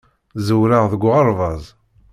Ẓewreɣ deg uɣerbaz.